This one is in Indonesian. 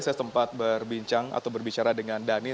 saya tempat berbincang atau berbicara dengan dhani